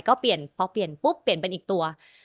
ก็เปลี่ยนพอเปลี่ยนปุ๊บเปลี่ยนเป็นอีกตัว